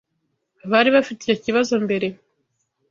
Bari bafite icyo kibazo mbere.